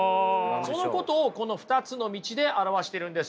そのことをこの２つの道で表しているんです。